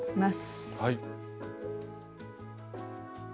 はい。